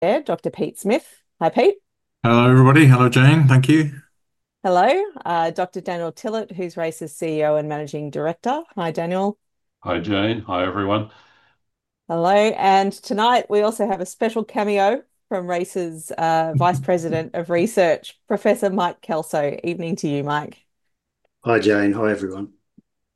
There, Dr. Pete Smith. Hi, Pete. Hello, everybody. Hello, Jane. Thank you. Hello, Dr. Daniel Tillett, who's Race Oncology's CEO and Managing Director. Hi, Daniel. Hi, Jane. Hi, everyone. Hello. Tonight, we also have a special cameo from Race Oncology's Vice President of Research, Professor Mike Kelso. Evening to you, Mike. Hi, Jane. Hi, everyone.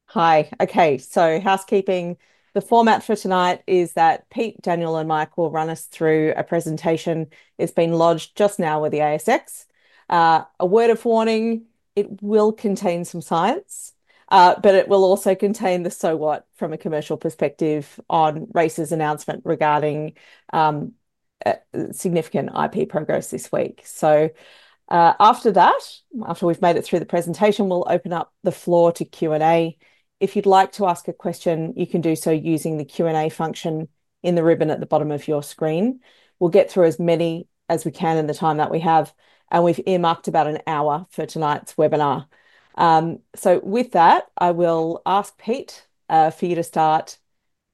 Hi. OK, so housekeeping. The format for tonight is that Pete, Daniel, and Mike will run us through a presentation. It's been lodged just now with the ASX. A word of warning, it will contain some science, but it will also contain the so what from a commercial perspective on Race Oncology's announcement regarding significant IP progress this week. After we've made it through the presentation, we'll open up the floor to Q&A. If you'd like to ask a question, you can do so using the Q&A function in the ribbon at the bottom of your screen. We'll get through as many as we can in the time that we have. We've earmarked about an hour for tonight's webinar. With that, I will ask Pete for you to start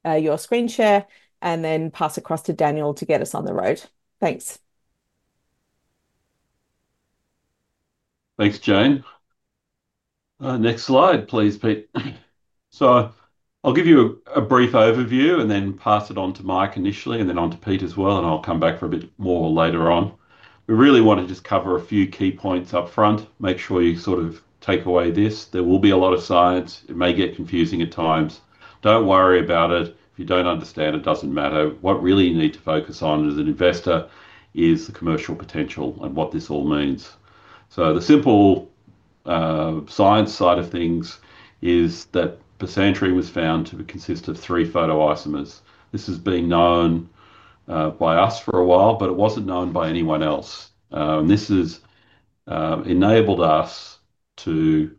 your screen share and then pass it across to Daniel to get us on the road. Thanks. Thanks, Jane. Next slide, please, Pete. I'll give you a brief overview and then pass it on to Mike initially and then on to Pete as well. I'll come back for a bit more later on. We really want to just cover a few key points up front. Make sure you sort of take away this. There will be a lot of science. It may get confusing at times. Don't worry about it. If you don't understand, it doesn't matter. What really you need to focus on as an investor is the commercial potential and what this all means. The simple science side of things is that bisantrene was found to consist of three photoisomers. This has been known by us for a while, but it wasn't known by anyone else. This has enabled us to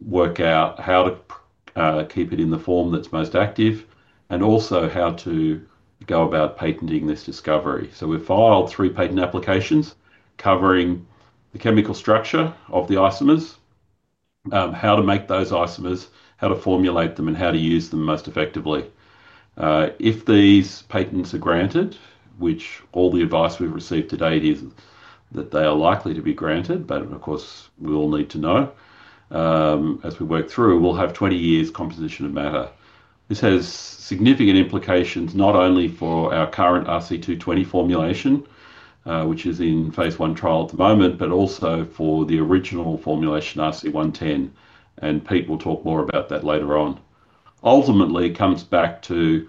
work out how to keep it in the form that's most active and also how to go about patenting this discovery. We filed three patent applications covering the chemical structure of the isomers, how to make those isomers, how to formulate them, and how to use them most effectively. If these patents are granted, which all the advice we've received to date is that they are likely to be granted, but of course, we all need to know as we work through, we'll have 20 years' composition of matter. This has significant implications not only for our current RC220 formulation, which is in phase one trial at the moment, but also for the original formulation RC110, and Pete will talk more about that later on. Ultimately, it comes back to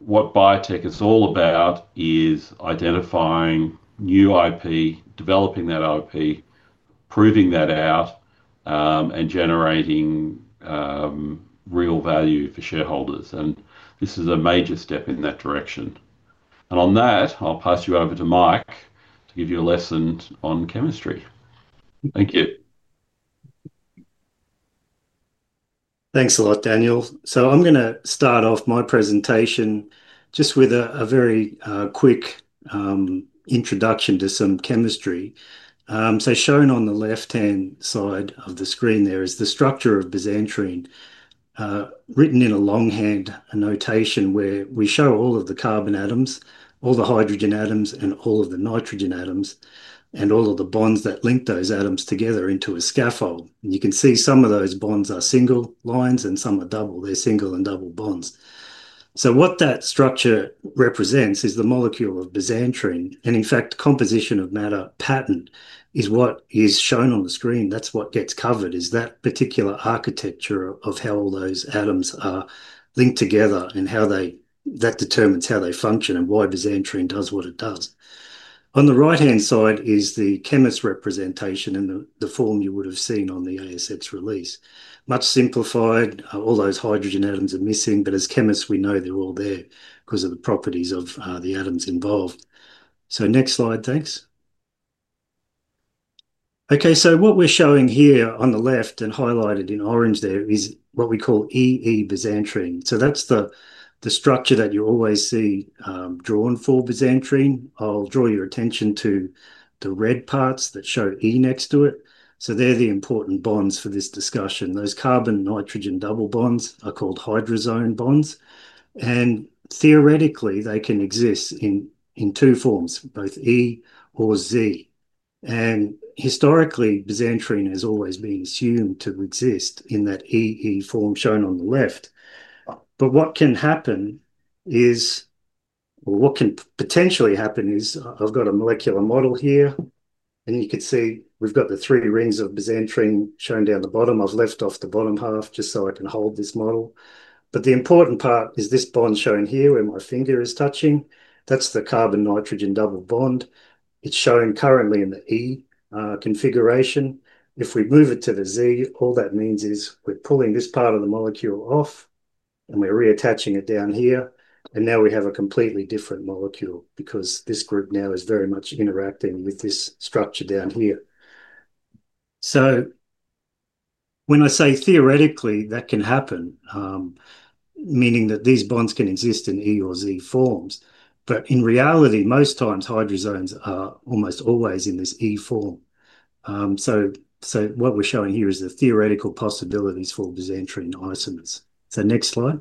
what biotech is all about, identifying new IP, developing that IP, proving that out, and generating real value for shareholders. This is a major step in that direction. On that, I'll pass you over to Mike to give you a lesson on chemistry. Thank you. Thanks a lot, Daniel. I'm going to start off my presentation just with a very quick introduction to some chemistry. Shown on the left-hand side of the screen there is the structure of bisantrene, written in a longhand notation where we show all of the carbon atoms, all the hydrogen atoms, and all of the nitrogen atoms, and all of the bonds that link those atoms together into a scaffold. You can see some of those bonds are single lines and some are double. They're single and double bonds. What that structure represents is the molecule of bisantrene. In fact, the composition of matter patent is what is shown on the screen. That's what gets covered, is that particular architecture of how all those atoms are linked together and how that determines how they function and why bisantrene does what it does. On the right-hand side is the chemist representation in the form you would have seen on the ASX release. Much simplified. All those hydrogen atoms are missing, but as chemists, we know they're all there because of the properties of the atoms involved. Next slide, thanks. OK, what we're showing here on the left and highlighted in orange there is what we call EE bisantrene. That's the structure that you always see drawn for bisantrene. I'll draw your attention to the red parts that show E next to it. They're the important bonds for this discussion. Those carbon-nitrogen double bonds are called hydrazone bonds. Theoretically, they can exist in two forms, both E or Z. Historically, bisantrene has always been assumed to exist in that EE form shown on the left. What can happen is, or what can potentially happen is I've got a molecular model here. You can see we've got the three rings of bisantrene shown down the bottom. I've left off the bottom half just so I can hold this model. The important part is this bond shown here where my finger is touching. That's the carbon-nitrogen double bond. It's shown currently in the E configuration. If we move it to the Z, all that means is we're pulling this part of the molecule off and we're reattaching it down here. Now we have a completely different molecule because this group now is very much interacting with this structure down here. When I say theoretically, that can happen, meaning that these bonds can exist in E or Z forms. In reality, most times hydrazones are almost always in this E form. What we're showing here is the theoretical possibilities for bisantrene isomers. Next slide.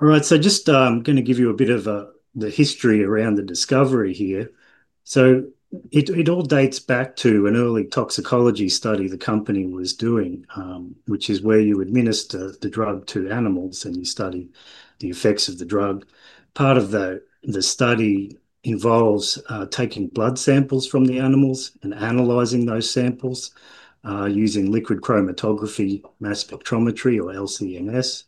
All right, I'm going to give you a bit of the history around the discovery here. It all dates back to an early toxicology study the company was doing, which is where you administer the drug to animals and you study the effects of the drug. Part of the study involves taking blood samples from the animals and analyzing those samples using liquid chromatography, mass spectrometry, or LCMS.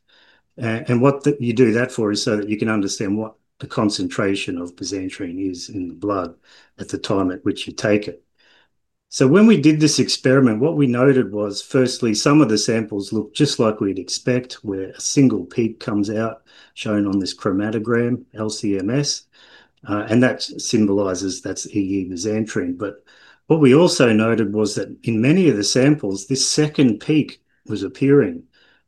What you do that for is so that you can understand what the concentration of bisantrene is in the blood at the time at which you take it. When we did this experiment, what we noted was, firstly, some of the samples looked just like we'd expect, where a single peak comes out, shown on this chromatogram, LCMS. That symbolizes that's EE bisantrene. What we also noted was that in many of the samples, this second peak was appearing.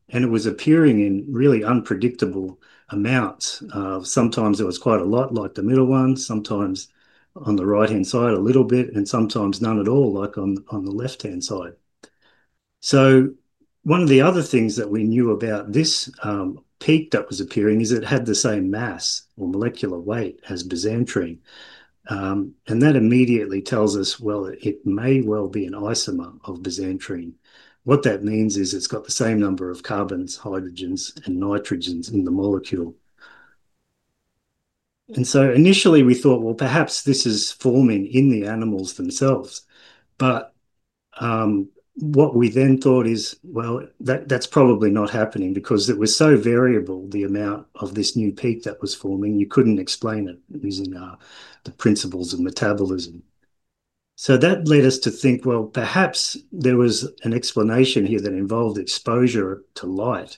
It was appearing in really unpredictable amounts. Sometimes it was quite a lot, like the middle one. Sometimes on the right-hand side, a little bit. Sometimes none at all, like on the left-hand side. One of the other things that we knew about this peak that was appearing is it had the same mass or molecular weight as bisantrene. That immediately tells us it may well be an isomer of bisantrene. What that means is it's got the same number of carbons, hydrogens, and nitrogens in the molecule. Initially, we thought perhaps this is forming in the animals themselves. What we then thought is that's probably not happening because it was so variable, the amount of this new peak that was forming, you couldn't explain it using the principles of metabolism. That led us to think perhaps there was an explanation here that involved exposure to light,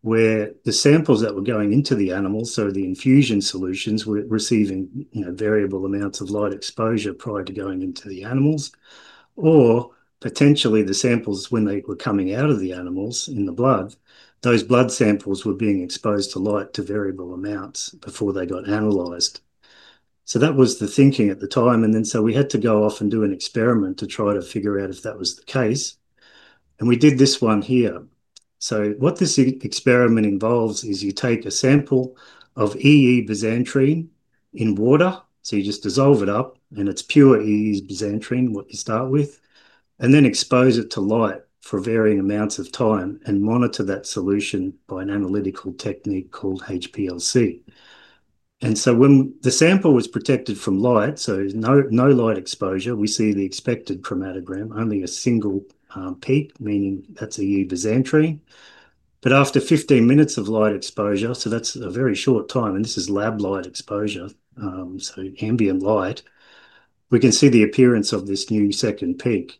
where the samples that were going into the animals, so the infusion solutions, were receiving variable amounts of light exposure prior to going into the animals. Potentially, the samples, when they were coming out of the animals in the blood, those blood samples were being exposed to light to variable amounts before they got analyzed. That was the thinking at the time. We had to go off and do an experiment to try to figure out if that was the case. We did this one here. What this experiment involves is you take a sample of EE bisantrene in water. You just dissolve it up. It's pure EE bisantrene, what you start with. Expose it to light for varying amounts of time and monitor that solution by an analytical technique called HPLC. When the sample was protected from light, with no light exposure, we see the expected chromatogram, only a single peak, meaning that's EE bisantrene. After 15 minutes of light exposure, which is a very short time, and this is lab light exposure, so ambient light, we can see the appearance of this new second peak.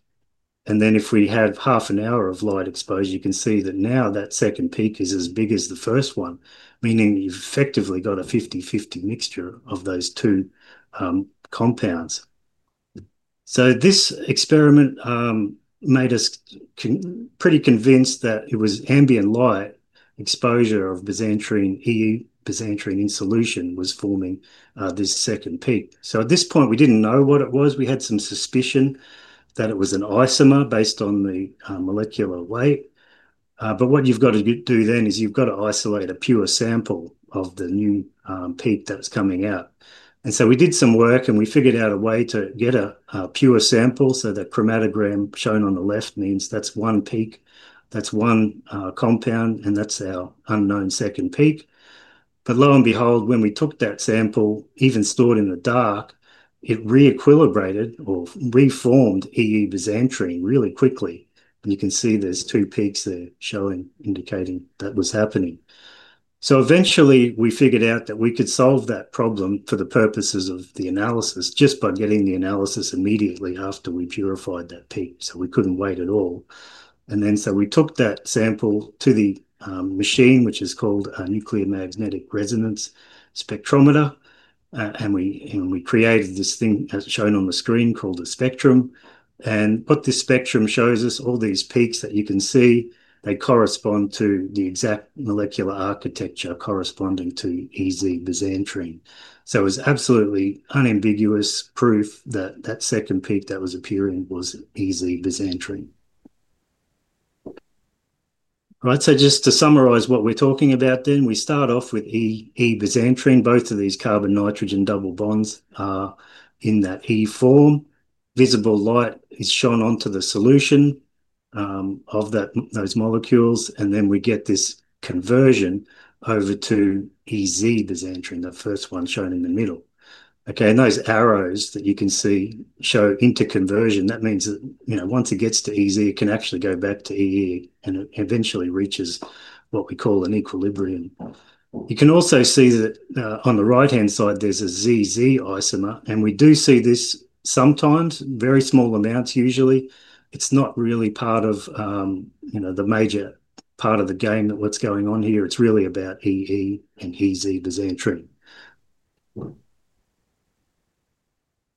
If we have half an hour of light exposure, you can see that now that second peak is as big as the first one, meaning you've effectively got a 50/50 mixture of those two compounds. This experiment made us pretty convinced that it was ambient light exposure of bisantrene, EE bisantrene in solution, forming this second peak. At this point, we didn't know what it was. We had some suspicion that it was an isomer based on the molecular weight. What you've got to do then is isolate a pure sample of the new peak that's coming out. We did some work and figured out a way to get a pure sample. The chromatogram shown on the left means that's one peak, that's one compound, and that's our unknown second peak. Lo and behold, when we took that sample, even stored in the dark, it re-equilibrated or reformed EE bisantrene really quickly. You can see there's two peaks there showing, indicating that was happening. Eventually, we figured out that we could solve that problem for the purposes of the analysis just by getting the analysis immediately after we purified that peak. We couldn't wait at all. We took that sample to the machine, which is called a nuclear magnetic resonance spectrometer, and we created this thing that's shown on the screen called a spectrum. What this spectrum shows us, all these peaks that you can see, they correspond to the exact molecular architecture corresponding to EE bisantrene. It was absolutely unambiguous proof that that second peak that was appearing was EE bisantrene. Just to summarize what we're talking about then, we start off with EE bisantrene. Both of these carbon-nitrogen double bonds are in that E form. Visible light is shown onto the solution of those molecules, and then we get this conversion over to EZ bisantrene, the first one shown in the middle. Those arrows that you can see show interconversion. That means that once it gets to EZ, it can actually go back to EE and eventually reaches what we call an equilibrium. You can also see that on the right-hand side, there's a ZZ isomer. We do see this sometimes, very small amounts usually. It's not really part of the major part of the game that's going on here. It's really about EE and EZ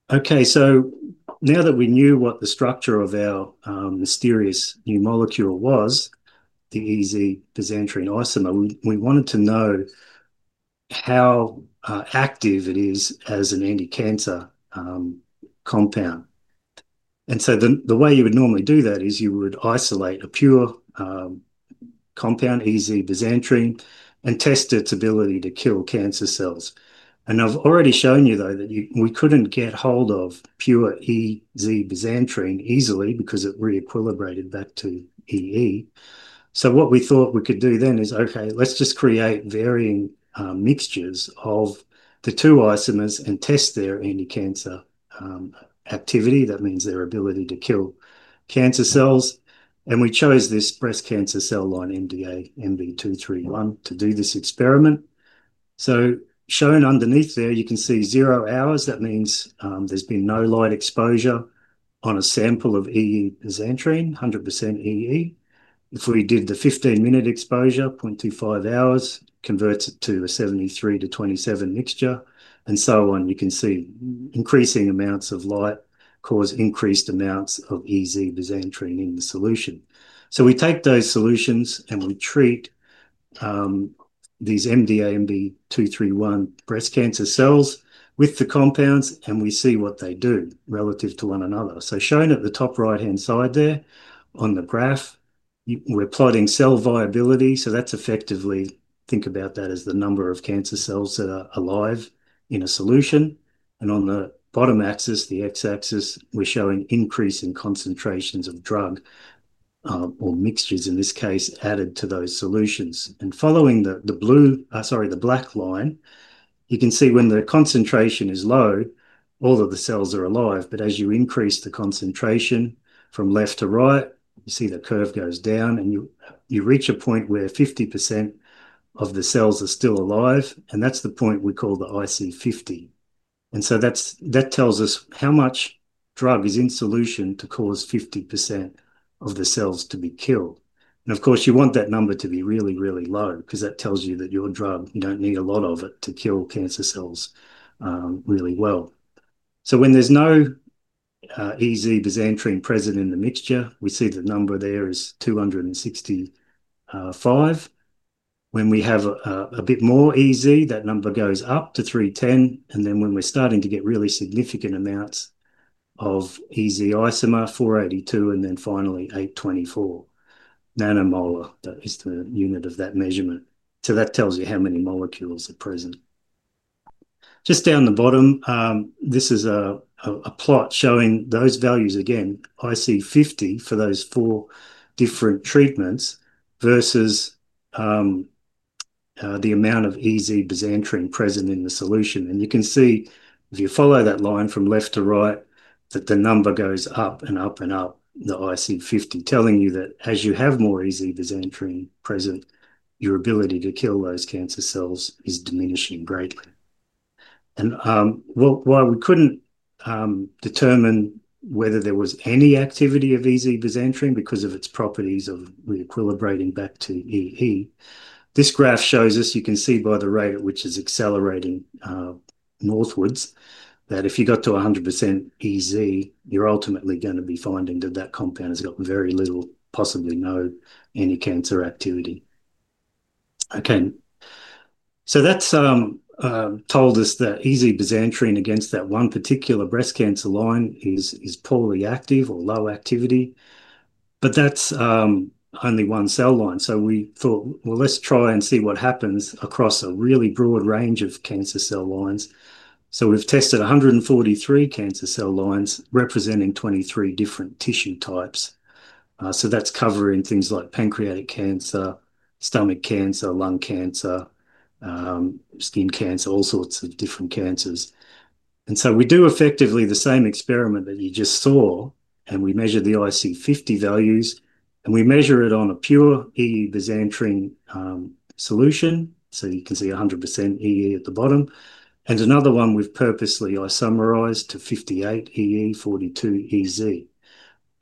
bisantrene. OK, now that we knew what the structure of our mysterious new molecule was, the EZ bisantrene isomer, we wanted to know how active it is as an anticancer compound. The way you would normally do that is you would isolate a pure compound, EZ bisantrene, and test its ability to kill cancer cells. I've already shown you, though, that we couldn't get hold of pure EZ bisantrene easily because it re-equilibrated back to EE. What we thought we could do then is, OK, let's just create varying mixtures of the two isomers and test their anticancer activity. That means their ability to kill cancer cells. We chose this breast cancer cell line, MDA-MB231, to do this experiment. Shown underneath there, you can see zero hours. That means there's been no light exposure on a sample of EE bisantrene, 100% EE. If we did the 15-minute exposure, 0.25 hours converts it to a 73 to 27 mixture. You can see increasing amounts of light cause increased amounts of EZ bisantrene in the solution. We take those solutions and we treat these MDA-MB231 breast cancer cells with the compounds. We see what they do relative to one another. Shown at the top right-hand side there on the graph, we're plotting cell viability. That's effectively, think about that as the number of cancer cells that are alive in a solution. On the bottom axis, the x-axis, we're showing increase in concentrations of drug or mixtures, in this case, added to those solutions. Following the black line, you can see when the concentration is low, all of the cells are alive. As you increase the concentration from left to right, you see the curve goes down. You reach a point where 50% of the cells are still alive. That's the point we call the IC50. That tells us how much drug is in solution to cause 50% of the cells to be killed. Of course, you want that number to be really, really low because that tells you that your drug, you don't need a lot of it to kill cancer cells really well. When there's no EZ bisantrene present in the mixture, we see the number there is 265. When we have a bit more EZ, that number goes up to 310. Then when we're starting to get really significant amounts of EZ isomer, 482. Finally, 824 nanomolar, that is the unit of that measurement. That tells you how many molecules are present. Just down the bottom, this is a plot showing those values again, IC50 for those four different treatments versus the amount of EZ bisantrene present in the solution. You can see, if you follow that line from left to right, that the number goes up and up and up, the IC50, telling you that as you have more EZ bisantrene present, your ability to kill those cancer cells is diminishing greatly. While we couldn't determine whether there was any activity of EZ bisantrene because of its properties of re-equilibrating back to EE, this graph shows us, you can see by the rate at which it's accelerating northwards, that if you got to 100% EZ, you're ultimately going to be finding that that compound has got very little, possibly no anticancer activity. OK, so that's told us that EZ bisantrene against that one particular breast cancer line is poorly active or low activity. That's only one cell line. We thought, let's try and see what happens across a really broad range of cancer cell lines. We've tested 143 cancer cell lines, representing 23 different tissue types. That's covering things like pancreatic cancer, stomach cancer, lung cancer, skin cancer, all sorts of different cancers. We do effectively the same experiment that you just saw. We measure the IC50 values. We measure it on a pure EE bisantrene solution. You can see 100% EE at the bottom. Another one we've purposely summarized to 58% EE, 42%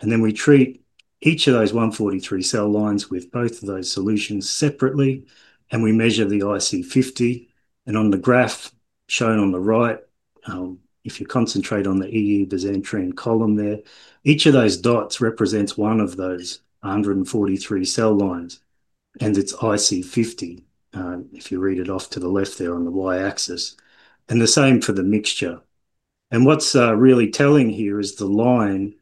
EZ. We treat each of those 143 cell lines with both of those solutions separately. We measure the IC50. On the graph shown on the right, if you concentrate on the EE bisantrene column there, each of those dots represents one of those 143 cell lines and its IC50, if you read it off to the left there on the y-axis. The same for the mixture. What's really telling here is the line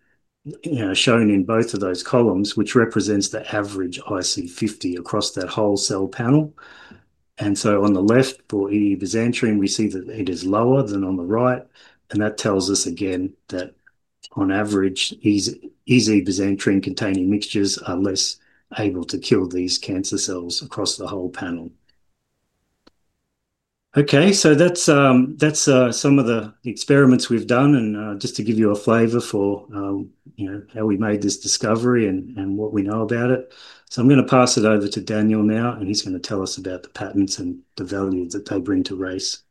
shown in both of those columns, which represents the average IC50 across that whole cell panel. On the left for EE bisantrene, we see that it is lower than on the right. That tells us again that on average, EZ bisantrene-containing mixtures are less able to kill these cancer cells across the whole panel. OK, so that's some of the experiments we've done. To give you a flavor for how we made this discovery and what we know about it, I'm going to pass it over to Dr. Daniel Tillett now. He's going to tell us about the patents and the value that they bring to Race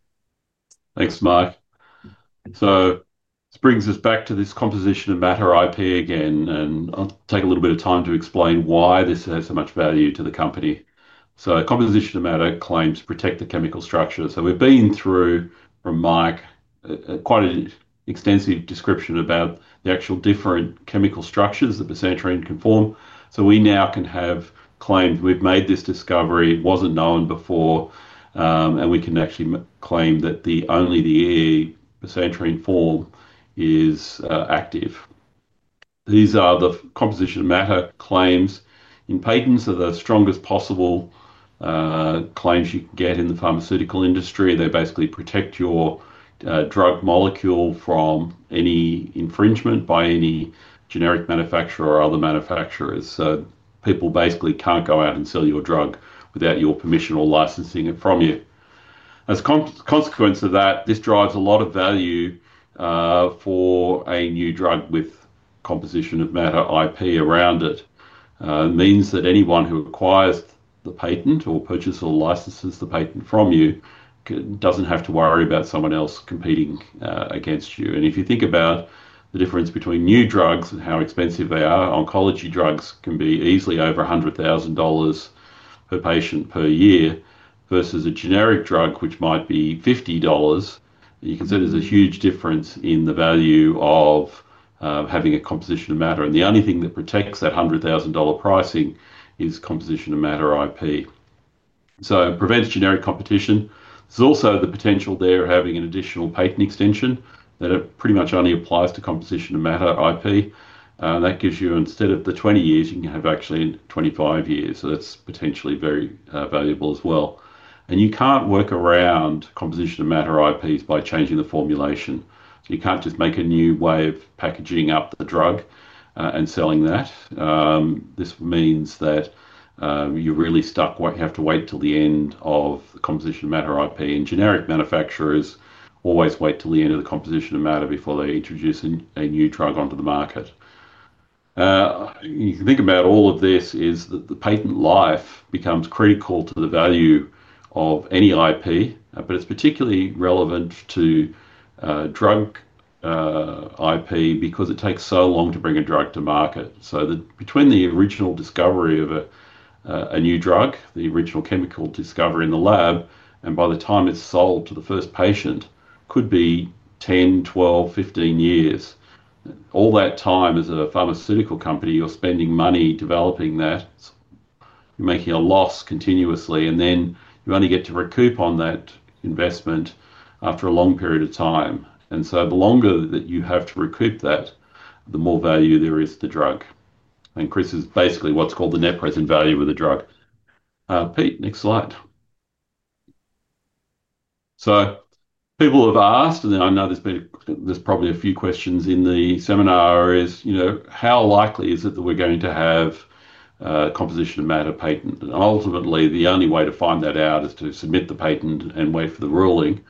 Oncology. Thanks, Mike. This brings us back to this composition of matter IP again. I'll take a little bit of time to explain why this has so much value to the company. Composition of matter claims protect the chemical structure. We've been through, from Mike, quite an extensive description about the actual different chemical structures that bisantrene can form. We now can have claimed we've made this discovery, wasn't known before. We can actually claim that only the EE bisantrene form is active. These are the composition of matter claims. In patents, they're the strongest possible claims you can get in the pharmaceutical industry. They basically protect your drug molecule from any infringement by any generic manufacturer or other manufacturers. People basically can't go out and sell your drug without your permission or licensing it from you. As a consequence of that, this drives a lot of value for a new drug with composition of matter IP around it. It means that anyone who acquires the patent or purchases or licenses the patent from you doesn't have to worry about someone else competing against you. If you think about the difference between new drugs and how expensive they are, oncology drugs can be easily over $100,000 per patient per year versus a generic drug, which might be $50. You can see there's a huge difference in the value of having a composition of matter. The only thing that protects that $100,000 pricing is composition of matter IP. It prevents generic competition. There's also the potential there of having an additional patent extension that pretty much only applies to composition of matter IP. That gives you, instead of the 20 years, you can have actually 25 years. That's potentially very valuable as well. You can't work around composition of matter IPs by changing the formulation. You can't just make a new way of packaging up a drug and selling that. This means that you're really stuck, you have to wait till the end of the composition of matter IP. Generic manufacturers always wait till the end of the composition of matter before they introduce a new drug onto the market. You can think about all of this is that the patent life becomes critical to the value of any IP. It's particularly relevant to drug IP because it takes so long to bring a drug to market. Between the original discovery of a new drug, the original chemical discovery in the lab, and by the time it's sold to the first patient, it could be 10, 12, 15 years. All that time, as a pharmaceutical company, you're spending money developing that, making a loss continuously. You only get to recoup on that investment after a long period of time. The longer that you have to recoup that, the more value there is to the drug. Chris is basically what's called the net present value of the drug. Pete, next slide. People have asked, and I know there's probably a few questions in the seminar, how likely is it that we're going to have a composition of matter patent? Ultimately, the only way to find that out is to submit the patent and wait for the ruling.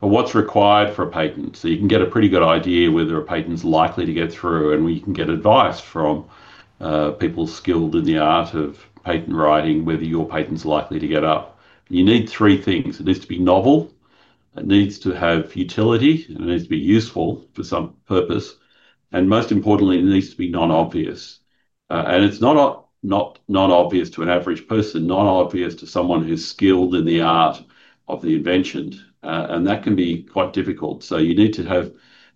What's required for a patent? You can get a pretty good idea whether a patent is likely to get through. You can get advice from people skilled in the art of patent writing whether your patent is likely to get up. You need three things. It needs to be novel. It needs to have utility. It needs to be useful for some purpose. Most importantly, it needs to be non-obvious. It's not non-obvious to an average person, non-obvious to someone who's skilled in the art of the invention. That can be quite difficult.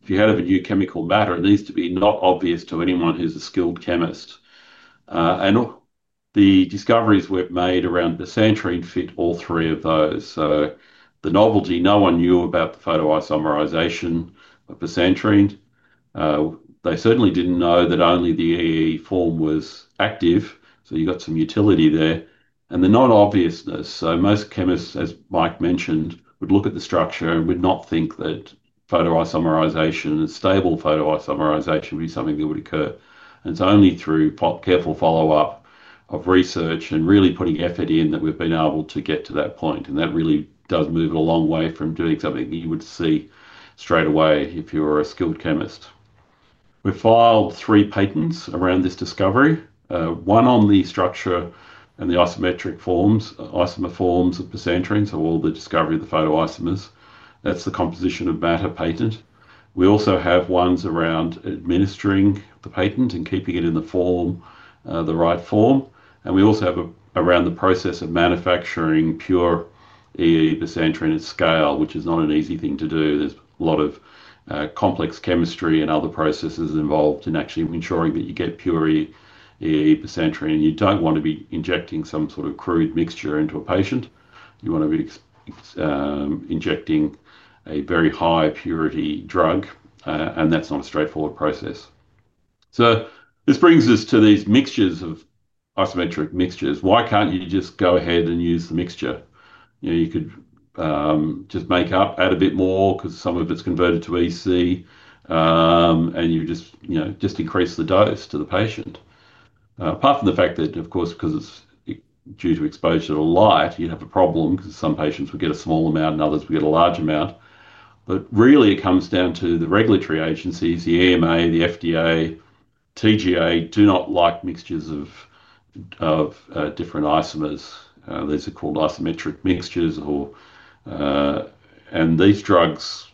If you have a new chemical matter, it needs to be not obvious to anyone who's a skilled chemist. The discoveries we've made around bisantrene fit all three of those. The novelty, no one knew about the photoisomerization of bisantrene. They certainly didn't know that only the EE form was active. You got some utility there. The non-obviousness, most chemists, as Mike mentioned, would look at the structure and would not think that photoisomerization and stable photoisomerization would be something that would occur. It's only through careful follow-up of research and really putting effort in that we've been able to get to that point. That really does move it a long way from doing something you would see straight away if you were a skilled chemist. We filed three patents around this discovery, one on the structure and the isomer forms of bisantrene, so all the discovery of the photoisomers. That's the composition of matter patent. We also have ones around administering the patent and keeping it in the form, the right form. We also have around the process of manufacturing pure EE bisantrene at scale, which is not an easy thing to do. There's a lot of complex chemistry and other processes involved in actually ensuring that you get pure EE bisantrene. You don't want to be injecting some sort of crude mixture into a patient. You want to be injecting a very high-purity drug. That's not a straightforward process. This brings us to these mixtures of isomeric mixtures. Why can't you just go ahead and use the mixture? You could just make up, add a bit more because some of it's converted to EC, and you just increase the dose to the patient. Apart from the fact that, of course, because it's due to exposure to light, you have a problem because some patients will get a small amount and others will get a large amount. It really comes down to the regulatory agencies, the EMA, the FDA, TGA, do not like mixtures of different isomers. These are called isomeric mixtures. These drugs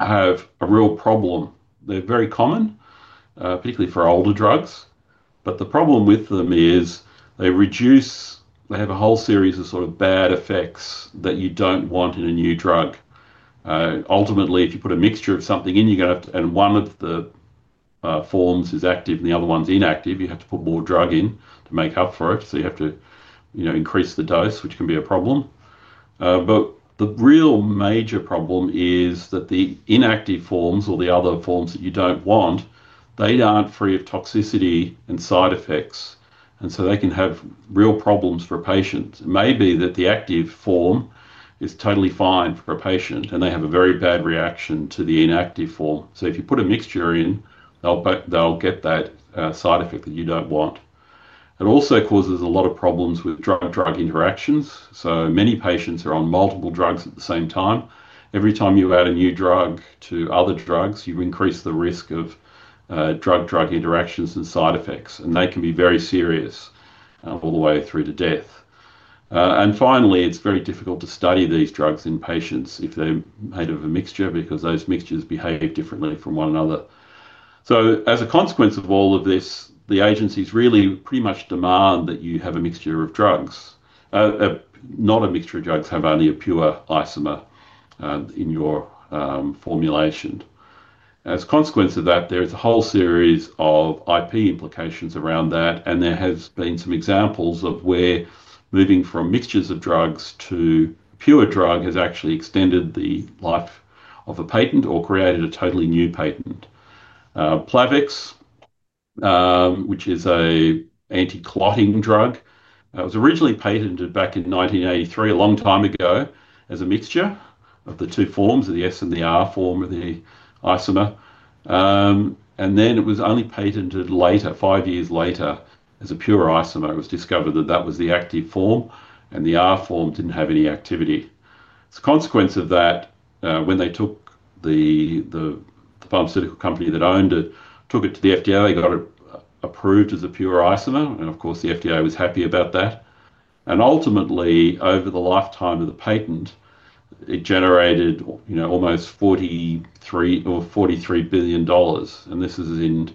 have a real problem. They're very common, particularly for older drugs. The problem with them is they reduce, they have a whole series of sort of bad effects that you don't want in a new drug. Ultimately, if you put a mixture of something in, and one of the forms is active and the other one's inactive, you have to put more drug in to make up for it. You have to increase the dose, which can be a problem. The real major problem is that the inactive forms or the other forms that you don't want, they aren't free of toxicity and side effects. They can have real problems for patients. It may be that the active form is totally fine for a patient, and they have a very bad reaction to the inactive form. If you put a mixture in, they'll get that side effect that you don't want. It also causes a lot of problems with drug interactions. Many patients are on multiple drugs at the same time. Every time you add a new drug to other drugs, you increase the risk of drug-drug interactions and side effects. They can be very serious all the way through to death. Finally, it's very difficult to study these drugs in patients if they're made of a mixture because those mixtures behave differently from one another. As a consequence of all of this, the agencies really pretty much demand that you have only a pure isomer in your formulation. As a consequence of that, there is a whole series of IP implications around that. There have been some examples of where moving from mixtures of drugs to pure drug has actually extended the life of a patent or created a totally new patent. Plavix, which is an anti-clotting drug, was originally patented back in 1983, a long time ago, as a mixture of the two forms, of the S and the R form of the isomer. It was only patented later, five years later, as a pure isomer. It was discovered that that was the active form. The R form didn't have any activity. As a consequence of that, when the pharmaceutical company that owned it took it to the FDA, they got it approved as a pure isomer. The FDA was happy about that. Ultimately, over the lifetime of the patent, it generated almost $43 billion. This is in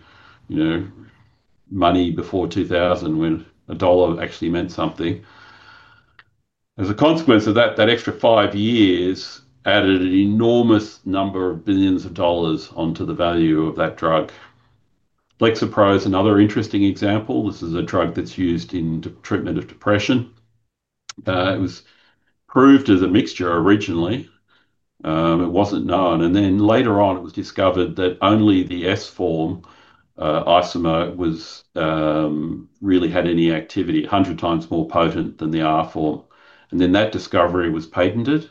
money before 2000, when a dollar actually meant something. As a consequence of that, that extra five years added an enormous number of billions of dollars onto the value of that drug. Lexapro is another interesting example. This is a drug that's used in the treatment of depression. It was approved as a mixture originally. It wasn't known. Later on, it was discovered that only the S form isomer really had any activity, 100 times more potent than the R form. That discovery was patented.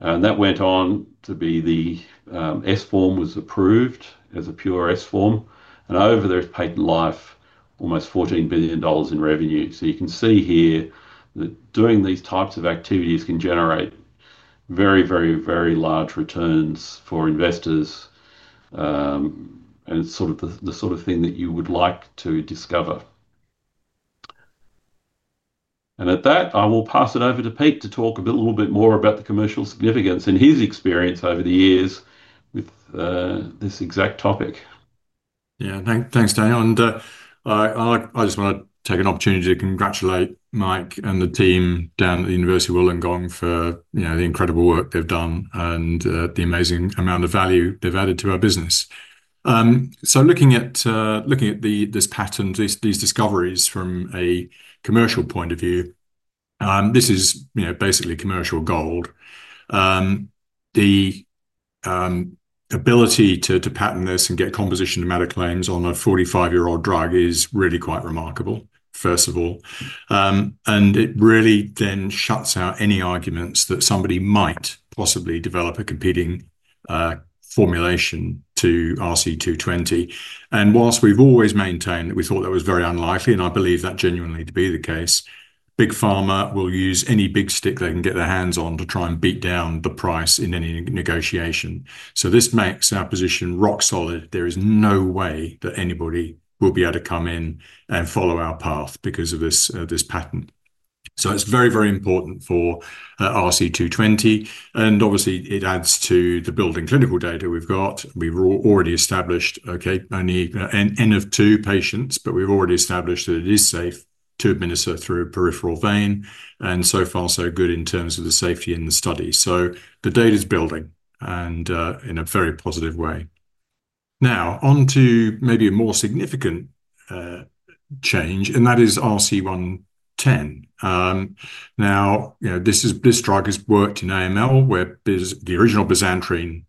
That went on to be the S form was approved as a pure S form. Over their patent life, almost $14 billion in revenue. You can see here that doing these types of activities can generate very, very, very large returns for investors. It's sort of the sort of thing that you would like to discover. At that, I will pass it over to Pete to talk a little bit more about the commercial significance and his experience over the years with this exact topic. Yeah, thanks, Daniel. I just want to take an opportunity to congratulate Mike and the team down at the University of Wollongong for the incredible work they've done and the amazing amount of value they've added to our business. Looking at this pattern, these discoveries from a commercial point of view, this is basically commercial gold. The ability to patent this and get composition of matter claims on a 45-year-old drug is really quite remarkable, first of all. It really then shuts out any arguments that somebody might possibly develop a competing formulation to RC220. Whilst we've always maintained that we thought that was very unlikely, and I believe that genuinely to be the case, Big Pharma will use any big stick they can get their hands on to try and beat down the price in any negotiation. This makes our position rock solid. There is no way that anybody will be able to come in and follow our path because of this patent. It is very, very important for RC220. Obviously, it adds to the building clinical data we've got. We've already established, OK, only N of 2 patients, but we've already established that it is safe to administer through a peripheral vein. So far, so good in terms of the safety in the study. The data is building in a very positive way. Now, onto maybe a more significant change, and that is RC110. This drug has worked in AML, where the original bisantrene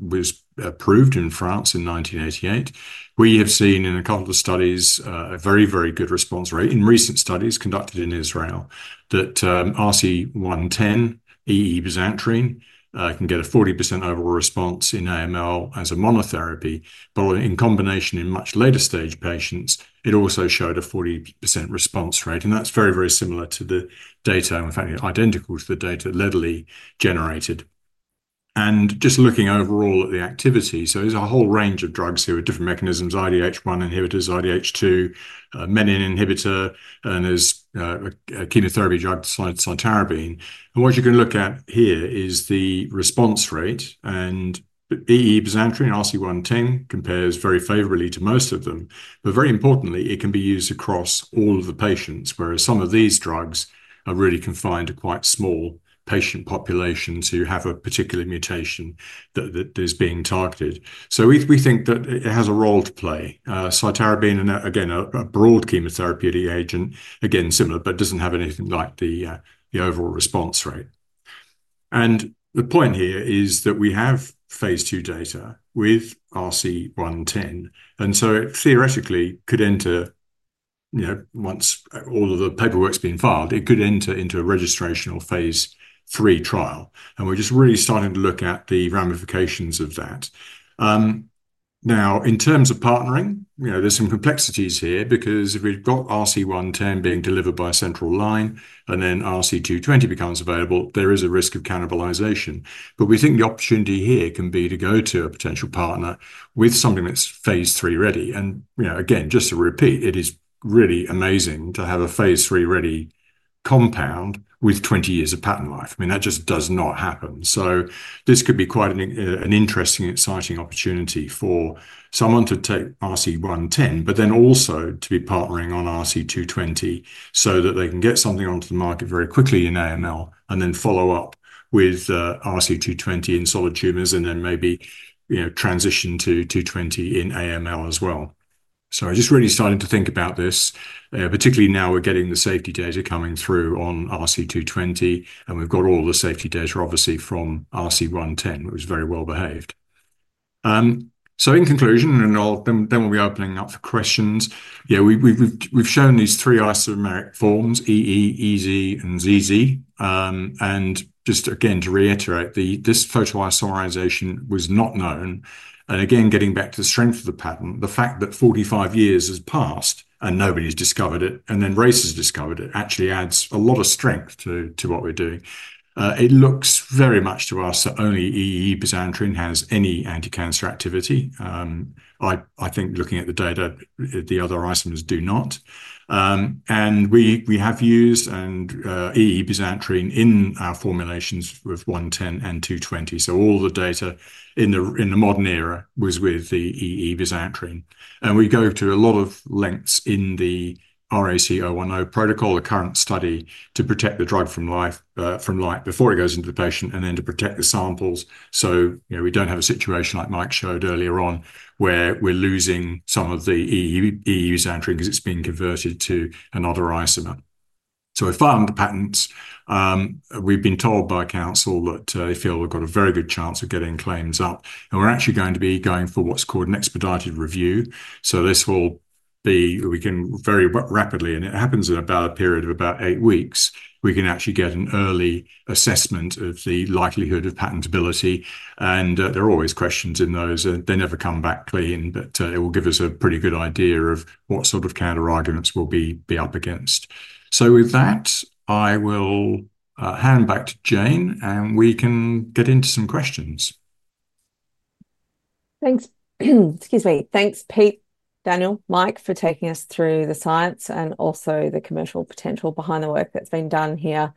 was approved in France in 1988. We have seen in a couple of studies a very, very good response rate. In recent studies conducted in Israel, RC110 EE bisantrene can get a 40% overall response in AML as a monotherapy. In combination in much later stage patients, it also showed a 40% response rate. That is very, very similar to the data, in fact, identical to the data LEDLI generated. Just looking overall at the activity, there is a whole range of drugs here with different mechanisms: IDH1 inhibitors, IDH2, a menin inhibitor, and there is a chemotherapy drug, cytarabine. What you can look at here is the response rate, and EE bisantrene RC110 compares very favorably to most of them. Very importantly, it can be used across all of the patients, whereas some of these drugs are really confined to quite small patient populations who have a particular mutation that is being targeted. We think that it has a role to play. Cytarabine, again, a broad chemotherapeutic agent, is similar, but doesn't have anything like the overall response rate. The point here is that we have phase two data with RC110. It theoretically could enter, once all of the paperwork's been filed, into a registration or phase three trial. We are just really starting to look at the ramifications of that. In terms of partnering, there are some complexities here because if we've got RC110 being delivered by a central line and then RC220 becomes available, there is a risk of cannibalization. We think the opportunity here can be to go to a potential partner with something that's phase three ready. Just to repeat, it is really amazing to have a phase three ready compound with 20 years of patent life. That just does not happen. This could be quite an interesting, exciting opportunity for someone to take RC110, but also to be partnering on RC220 so that they can get something onto the market very quickly in AML and then follow up with RC220 in solid tumors and maybe transition to 220 in AML as well. I'm just really starting to think about this, particularly now we're getting the safety data coming through on RC220. We've got all the safety data, obviously, from RC110, which is very well behaved. In conclusion, and then we'll be opening up for questions, we've shown these three isomeric forms, EE, EZ, and ZZ. Just again to reiterate, this photoisomerization was not known. Getting back to the strength of the patent, the fact that 45 years has passed and nobody's discovered it and then Race Oncology has discovered it actually adds a lot of strength to what we're doing. It looks very much to us that only EE bisantrene has any anticancer activity. I think looking at the data, the other isomers do not. We have used EE bisantrene in our formulations with 110 and 220. All the data in the modern era was with the EE bisantrene. We go to a lot of lengths in the RC110 protocol, the current study, to protect the drug from light before it goes into the patient and then to protect the samples. We don't have a situation like Mike showed earlier on where we're losing some of the EE bisantrene because it's being converted to another isomer. We've filed the patents. We've been told by counsel that they feel we've got a very good chance of getting claims up. We're actually going to be going for what's called an expedited review. We can very rapidly, and it happens in about a period of about eight weeks, actually get an early assessment of the likelihood of patentability. There are always questions in those. They never come back clean. It will give us a pretty good idea of what sort of counterarguments we'll be up against. With that, I will hand back to Jane and we can get into some questions. Thanks. Excuse me. Thanks, Pete, Daniel, Mike, for taking us through the science and also the commercial potential behind the work that's been done here.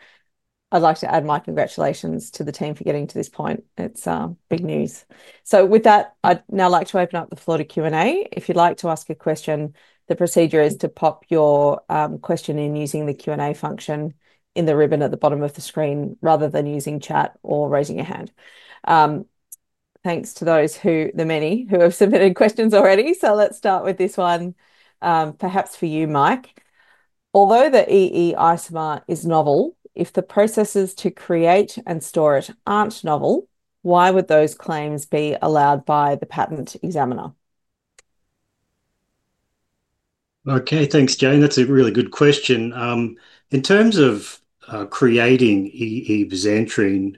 I'd like to add my congratulations to the team for getting to this point. It's big news. With that, I'd now like to open up the floor to Q&A. If you'd like to ask a question, the procedure is to pop your question in using the Q&A function in the ribbon at the bottom of the screen rather than using chat or raising your hand. Thanks to those who, the many, who have submitted questions already. Let's start with this one, perhaps for you, Mike. Although the EE isomer is novel, if the processes to create and store it aren't novel, why would those claims be allowed by the patent examiner? OK, thanks, Jane. That's a really good question. In terms of creating EE bisantrene,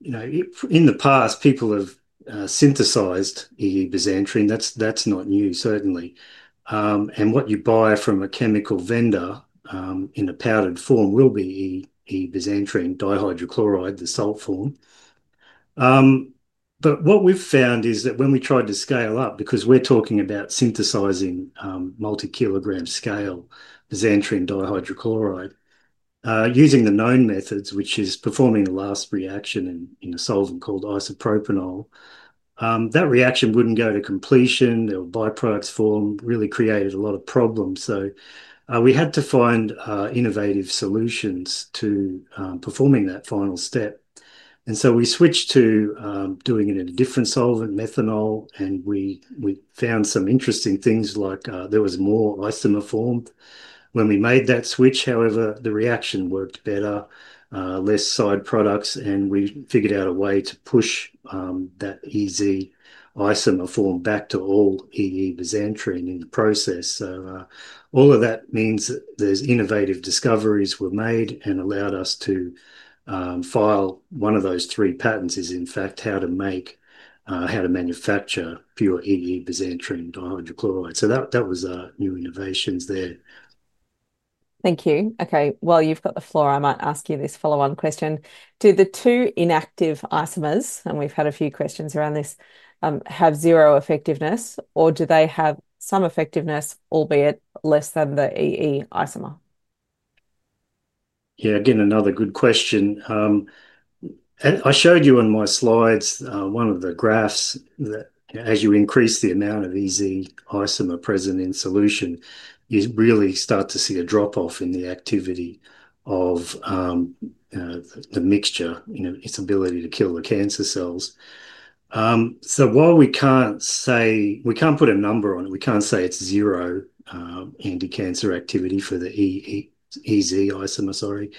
in the past, people have synthesized EE bisantrene. That's not new, certainly. What you buy from a chemical vendor in the powdered form will be EE bisantrene dihydrochloride, the salt form. What we've found is that when we tried to scale up, because we're talking about synthesizing multi-kilogram scale bisantrene dihydrochloride, using the known methods, which is performing the last reaction in a solvent called isopropanol, that reaction wouldn't go to completion. There were byproducts formed, really created a lot of problems. We had to find innovative solutions to performing that final step. We switched to doing it in a different solvent, methanol. We found some interesting things, like there was more isomer formed when we made that switch. However, the reaction worked better, less side products. We figured out a way to push that EZ isomer form back to all EE bisantrene in the process. All of that means that those innovative discoveries were made and allowed us to file one of those three patents, is in fact how to make, how to manufacture pure EE bisantrene dihydrochloride. That was our new innovations there. Thank you. OK, while you've got the floor, I might ask you this follow-on question. Do the two inactive isomers, and we've had a few questions around this, have zero effectiveness? Or do they have some effectiveness, albeit less than the EE isomer? Yeah, again, another good question. I showed you on my slides one of the graphs that as you increase the amount of EZ isomer present in solution, you really start to see a drop-off in the activity of the mixture, its ability to kill the cancer cells. While we can't say, we can't put a number on it, we can't say it's zero anticancer activity for the EE isomer, sorry,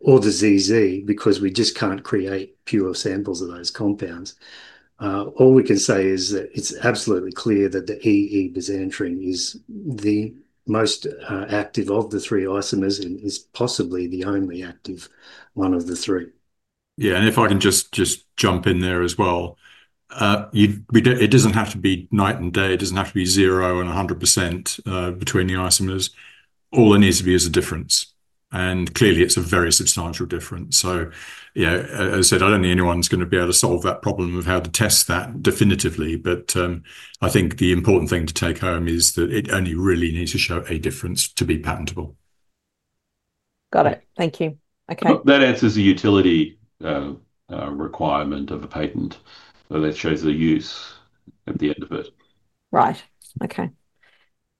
or the ZZ, because we just can't create pure samples of those compounds. All we can say is that it's absolutely clear that the EE bisantrene is the most active of the three isomers and is possibly the only active one of the three. Yeah, if I can just jump in there as well, it doesn't have to be night and day. It doesn't have to be zero and 100% between the isomers. All there needs to be is a difference, and clearly, it's a very substantial difference. As I said, I don't think anyone's going to be able to solve that problem of how to test that definitively. I think the important thing to take home is that it only really needs to show a difference to be patentable. Got it. Thank you. OK. That answers the utility requirement of a patent. That shows the use at the end of it. Right. OK,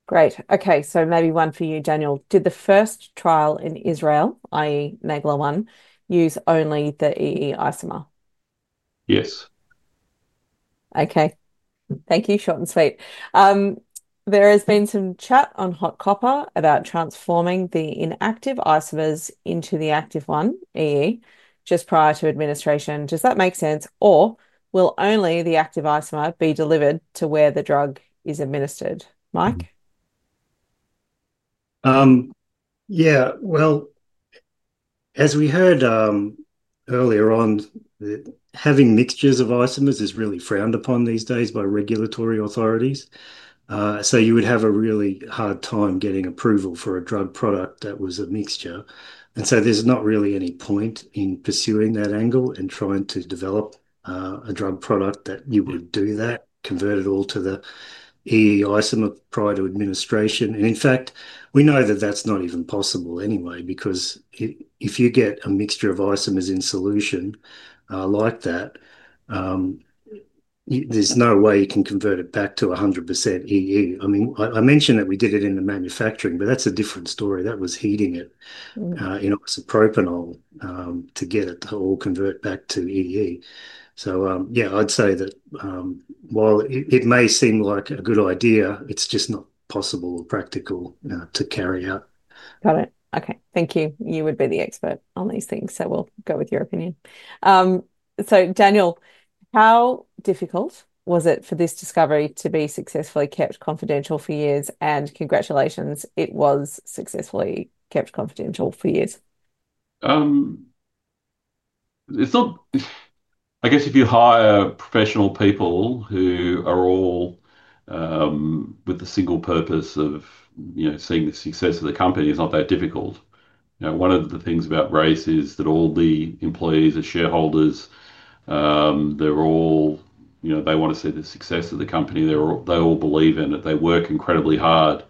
great. OK, so maybe one for you, Daniel. Did the first trial in Israel, i.e., Megla 1, use only the EE isomer? Yes. OK, thank you. Short and sweet. There has been some chat on Hot Copper about transforming the inactive isomers into the active one, EE, just prior to administration. Does that make sense? Or will only the active isomer be delivered to where the drug is administered? Mike? As we heard earlier on, having mixtures of isomers is really frowned upon these days by regulatory authorities. You would have a really hard time getting approval for a drug product that was a mixture. There's not really any point in pursuing that angle and trying to develop a drug product that you would do that, convert it all to the EE isomer prior to administration. In fact, we know that that's not even possible anyway because if you get a mixture of isomers in solution like that, there's no way you can convert it back to 100% EE. I mentioned that we did it in the manufacturing, but that's a different story. That was heating it in isopropanol to get it to all convert back to EE. I'd say that while it may seem like a good idea, it's just not possible or practical to carry out. Got it. OK, thank you. You would be the expert on these things. We'll go with your opinion. Daniel, how difficult was it for this discovery to be successfully kept confidential for years? Congratulations, it was successfully kept confidential for years. I guess if you hire professional people who are all with the single purpose of seeing the success of the company, it's not that difficult. One of the things about Race Oncology is that all the employees are shareholders. They all, you know, they want to see the success of the company. They all believe in it. They work incredibly hard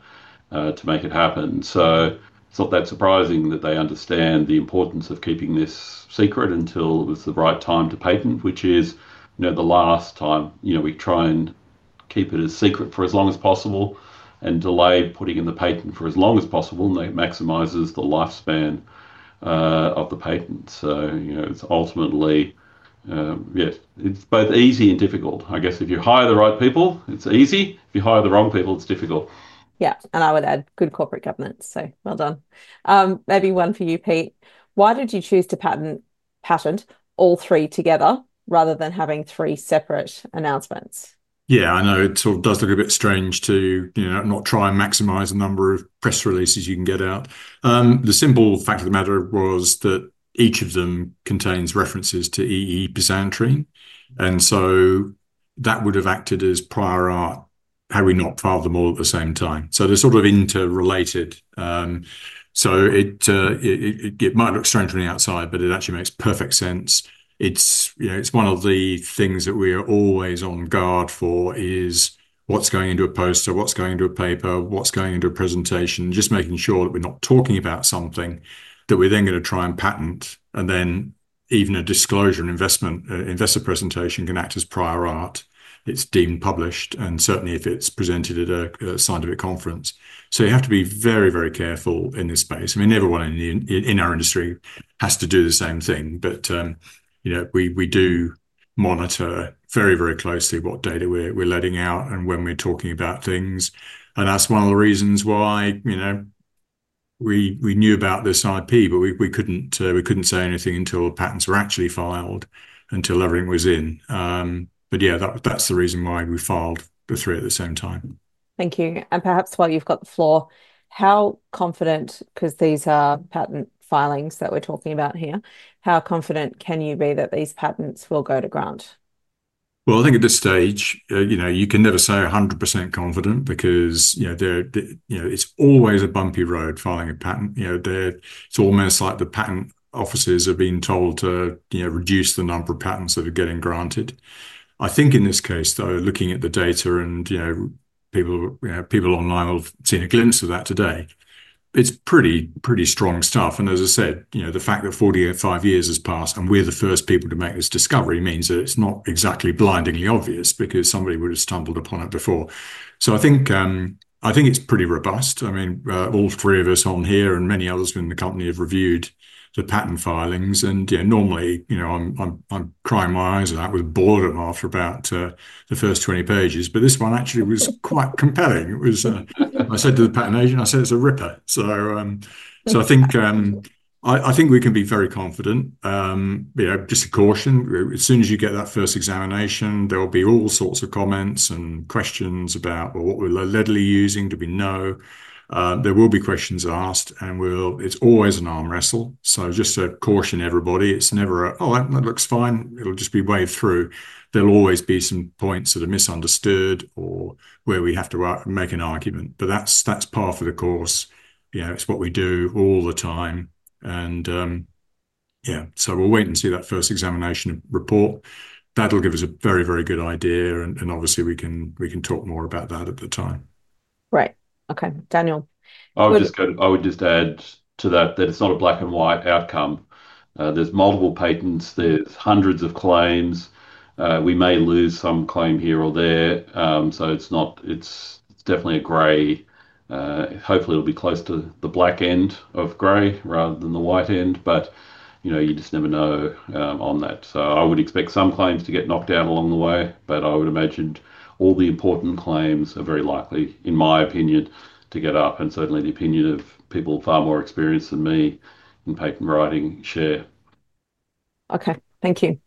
to make it happen. It's not that surprising that they understand the importance of keeping this secret until it's the right time to patent, which is the last time. We try and keep it a secret for as long as possible and delay putting in the patent for as long as possible. That maximizes the lifespan of the patent. It's ultimately, yeah, it's both easy and difficult. I guess if you hire the right people, it's easy. If you hire the wrong people, it's difficult. Yeah, and I would add good corporate governance. So well done. Maybe one for you, Pete. Why did you choose to patent all three together rather than having three separate announcements? Yeah, I know it sort of does look a bit strange to not try and maximize the number of press releases you can get out. The simple fact of the matter was that each of them contains references to EE bisantrene, and so that would have acted as prior art. Had we not filed them all at the same time, they're sort of interrelated. It might look strange from the outside, but it actually makes perfect sense. It's one of the things that we are always on guard for—what's going into a poster, what's going into a paper, what's going into a presentation—just making sure that we're not talking about something that we're then going to try and patent. Even a disclosure, an investor presentation, can act as prior art. It's deemed published, and certainly if it's presented at a scientific conference. You have to be very, very careful in this space. I mean, everyone in our industry has to do the same thing. We do monitor very, very closely what data we're letting out and when we're talking about things. That's one of the reasons why we knew about this IP, but we couldn't say anything until patents were actually filed, until everything was in. That's the reason why we filed the three at the same time. Thank you. Perhaps while you've got the floor, how confident, because these are patent filings that we're talking about here, how confident can you be that these patents will go to ground? At this stage, you can never say 100% confident because it's always a bumpy road filing a patent. It's almost like the patent officers are being told to reduce the number of patents that are getting granted. In this case, though, looking at the data and people online will have seen a glimpse of that today, it's pretty, pretty strong stuff. As I said, the fact that 45 years has passed and we're the first people to make this discovery means that it's not exactly blindingly obvious because somebody would have stumbled upon it before. I think it's pretty robust. All three of us on here and many others in the company have reviewed the patent filings. Normally, you know, I'm crying my eyes out with boredom after about the first 20 pages. This one actually was quite compelling. I said to the patent agent, I said, it's a ripper. I think we can be very confident. Just a caution, as soon as you get that first examination, there will be all sorts of comments and questions about, well, what were LEDLI using? Do we know? There will be questions asked. It's always an arm wrestle. Just to caution everybody, it's never a, oh, that looks fine. It'll just be waved through. There will always be some points that are misunderstood or where we have to make an argument. That's par for the course. It's what we do all the time. We'll wait and see that first examination report. That'll give us a very, very good idea. Obviously, we can talk more about that at the time. Right. OK, Daniel. I would just add to that that it's not a black and white outcome. There's multiple patents. There's hundreds of claims. We may lose some claim here or there. It's definitely a gray. Hopefully, it'll be close to the black end of gray rather than the white end. You just never know on that. I would expect some claims to get knocked out along the way. I would imagine all the important claims are very likely, in my opinion, to get up. Certainly, the opinion of people far more experienced than me in patent writing share. OK, thank you.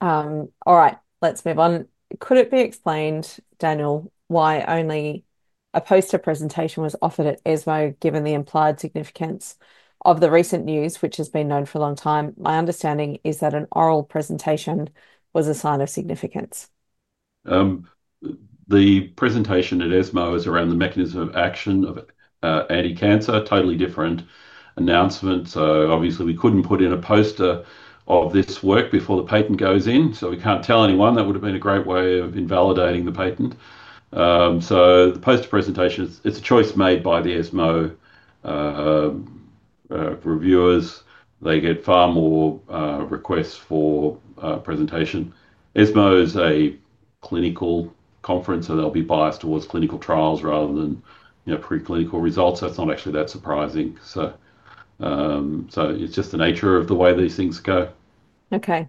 All right, let's move on. Could it be explained, Daniel, why only a poster presentation was offered at ISMO, given the implied significance of the recent news, which has been known for a long time? My understanding is that an oral presentation was a sign of significance. The presentation at ISMO is around the mechanism of action of anticancer, totally different announcement. Obviously, we couldn't put in a poster of this work before the patent goes in. We can't tell anyone. That would have been a great way of invalidating the patent. The poster presentation, it's a choice made by the ISMO reviewers. They get far more requests for presentation. ISMO is a clinical conference. They'll be biased towards clinical trials rather than preclinical results. It's not actually that surprising. It's just the nature of the way these things go. OK.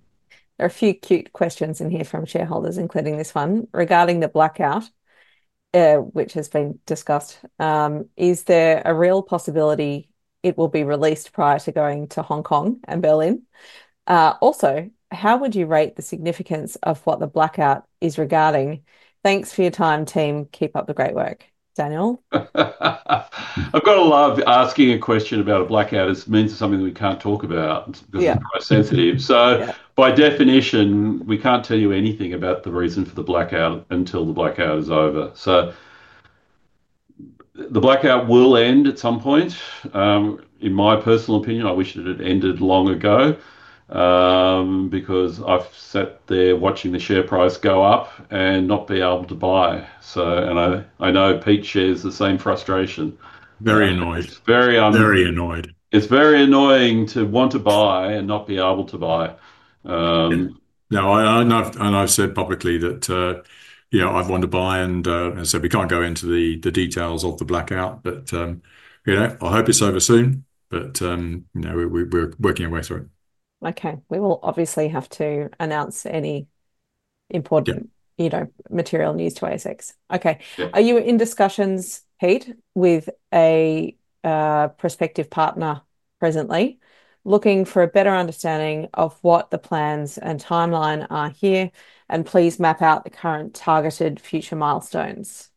There are a few cute questions in here from shareholders, including this one, regarding the blackout, which has been discussed. Is there a real possibility it will be released prior to going to Hong Kong and Berlin? Also, how would you rate the significance of what the blackout is regarding? Thanks for your time, team. Keep up the great work. Daniel? I've got to love asking a question about a blackout as it means something we can't talk about because it's quite sensitive. By definition, we can't tell you anything about the reason for the blackout until the blackout is over. The blackout will end at some point. In my personal opinion, I wish it had ended long ago because I've sat there watching the share price go up and not be able to buy. I know Pete shares the same frustration. Very annoyed. Very annoyed. Very annoyed. It's very annoying to want to buy and not be able to buy. I've said publicly that I want to buy. We can't go into the details of the blackout, but I hope it's over soon. We're working our way through it. We will obviously have to announce any important, you know, material news to ASX. Are you in discussions, Pete, with a prospective partner presently looking for a better understanding of what the plans and timeline are here? Please map out the current targeted future milestones.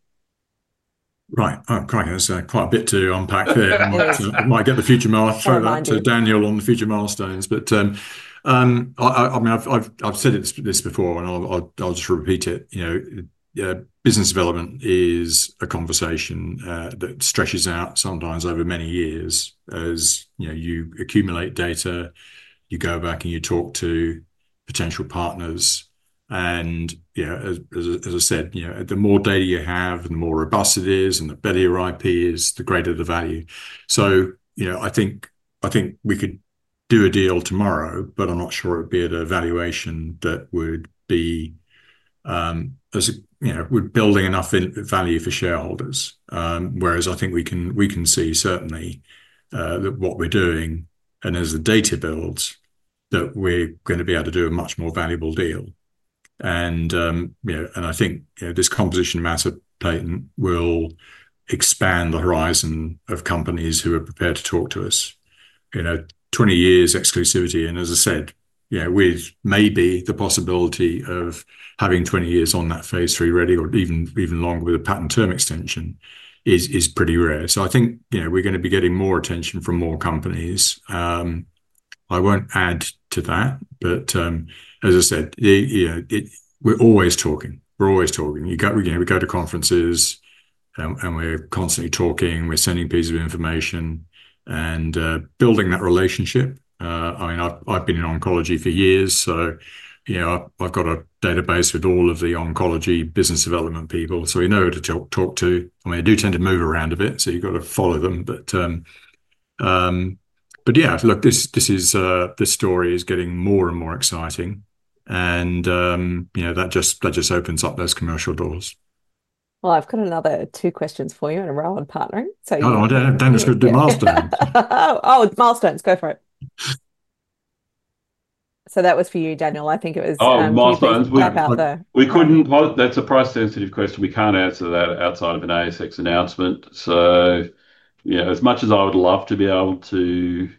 Right. Oh, great. That's quite a bit to unpack there. I might get the future, I'll throw that to Daniel on the future milestones. I mean, I've said this before, and I'll just repeat it. You know, business development is a conversation that stretches out sometimes over many years. As you accumulate data, you go back and you talk to potential partners. As I said, the more data you have and the more robust it is and the better your IP is, the greater the value. I think we could do a deal tomorrow, but I'm not sure it would be at a valuation that would be as we're building enough value for shareholders. I think we can see certainly that what we're doing, and as the data builds, that we're going to be able to do a much more valuable deal. I think this composition of matter patent will expand the horizon of companies who are prepared to talk to us. You know, 20 years exclusivity. As I said, with maybe the possibility of having 20 years on that phase three ready or even longer with a patent term extension is pretty rare. I think we're going to be getting more attention from more companies. I won't add to that. As I said, we're always talking. We're always talking. We go to conferences, and we're constantly talking. We're sending pieces of information and building that relationship. I've been in oncology for years, so I've got a database with all of the oncology business development people. We know who to talk to. They do tend to move around a bit, so you've got to follow them. Yeah, look, this story is getting more and more exciting, and that just opens up those commercial doors. I've got another two questions for you in a row on partnering. I don't know if that's a good milestone. Milestones. Go for it. That was for you, Daniel. I think it was. Milestones. We couldn't. That's a price-sensitive question. We can't answer that outside of an ASX announcement. As much as I would love to be able to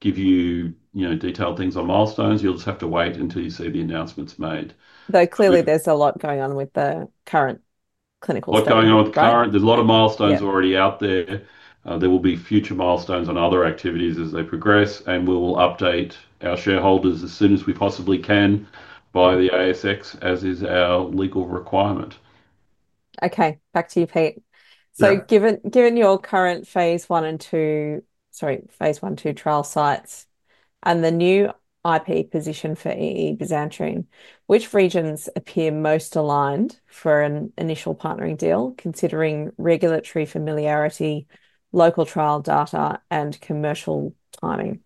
give you detailed things on milestones, you'll just have to wait until you see the announcements made. Though clearly, there's a lot going on with the current clinical. A lot going on with the current. There's a lot of milestones already out there. There will be future milestones on other activities as they progress. We will update our shareholders as soon as we possibly can by the ASX, as is our legal requirement. OK, back to you, Pete. Given your current phase one and two trial sites and the new IP position for EE bisantrene, which regions appear most aligned for an initial partnering deal, considering regulatory familiarity, local trial data, and commercial timing?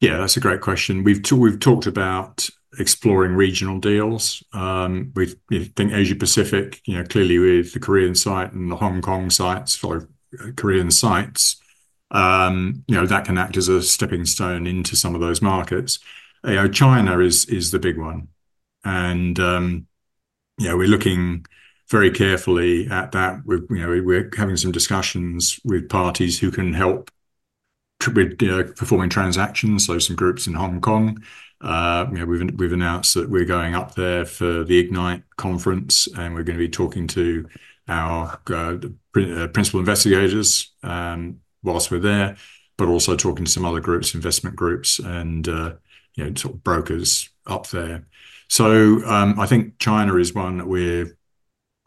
Yeah, that's a great question. We've talked about exploring regional deals. I think Asia-Pacific, you know, clearly with the Korean site and the Hong Kong sites, follow Korean sites. That can act as a stepping stone into some of those markets. China is the big one, and we're looking very carefully at that. We're having some discussions with parties who can help with performing transactions, those groups in Hong Kong. We've announced that we're going up there for the IGNITE conference, and we're going to be talking to our principal investigators whilst we're there, but also talking to some other groups, investment groups, and brokers up there. I think China is one that we